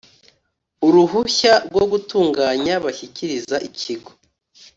uruhushya rwo gutunganya bashyikiriza ikigo